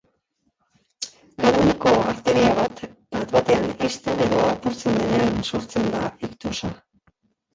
Garuneko arteria bat bat-batean ixten edo apurtzen denean sortzen da iktusa.